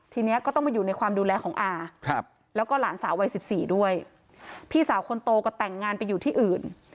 ทีนี้ก็ต้องมาอยู่ในความดูแลของอาแล้วก็หลานสาววัย๑๔ด้วยพี่สาวคนโตก็แต่งงานไปอยู่ที่อื่น